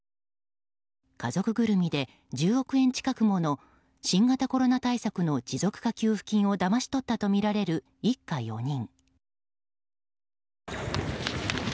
家族ぐるみで１０億円近くもの新型コロナ対策の持続化給付金をだまし取ったとみられる一家４人。